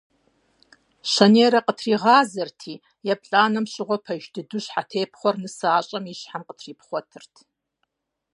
Щэнейрэ къытригъазэрти, еплӀанэм щыгъуэ, пэж дыдэу, щхьэтепхъуэр нысащӀэм и щхьэм къытрипхъуэтырт.